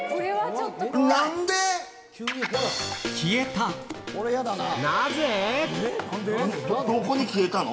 消えたどこに消えたの？